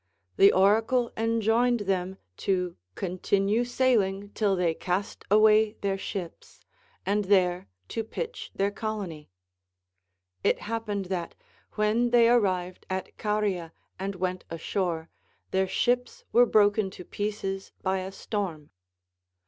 The oracle enjoined them to continue sailing till they cast away their ships, and there to pitch their colony. It hap pened that, when they arrived at Caria and went ashore, their ships were broken to pieces by a storm.